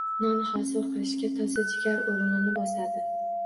Non hosil qilishda toza jigar o'rnini bosadi.